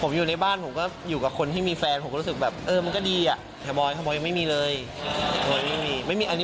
ผมอยู่ในบ้านผมก็อยู่กับคนที่มีแฟนผมก็รู้สึกแบบเออมันก็ดีอ่ะ